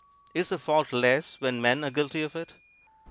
Is the fault less when men are guilty of it?